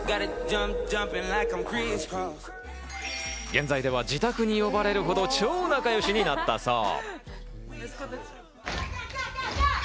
現在では自宅に呼ばれるほど超仲よしになったそう。